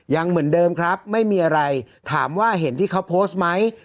ยังเหมือนเดิมครับไม่มีอะไรถามว่าเห็นที่เขาโพสต์ไหม